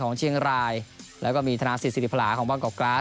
ของเชียงรายแล้วก็มีธนาศิษฐ์ศิริพราของว่างกล่อกร้า